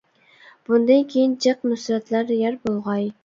بۇندىن كېيىن جىق نۇسرەتلەر يار بولغاي!